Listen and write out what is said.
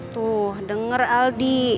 tuh denger aldi